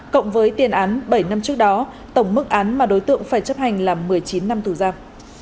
cộng với tiền án bảy năm trước đó tổng mức án mà đối tượng phải chấp hành là một mươi chín năm tù giam